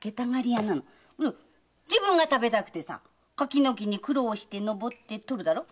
自分が食べたくてさ柿の木に苦労して登って取るだろ？